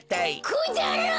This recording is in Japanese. くだらん！